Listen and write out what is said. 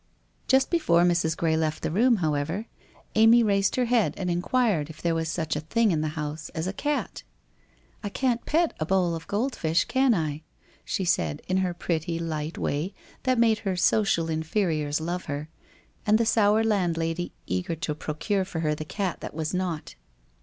Just before Mrs. Gray left the room, however, Amy raised her head, and enquired if there was such a thing in the house as a cat? ' I can't pet a bowl of gold fish, can I ?' she said in her pretty light way that made her social inferiors love her, and the sour landlady eager to procure for her the cat that was not.